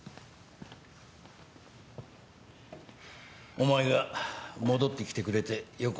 お前が戻ってきてくれてよかった。